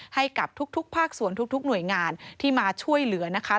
ให้กับทุกภาคส่วนทุกหน่วยงานที่มาช่วยเหลือนะคะ